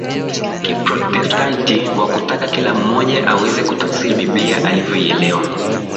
Kiprotestanti wa kutaka kila mmoja aweze kutafsiri Biblia alivyoielewa